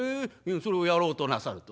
それをやろうとなさると。